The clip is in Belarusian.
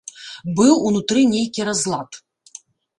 Быў унутры нейкі разлад.